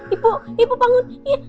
ibu ibu bangun